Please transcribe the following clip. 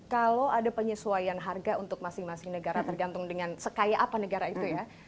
kalau ada penyesuaian harga untuk masing masing negara tergantung dengan sekaya apa negara itu ya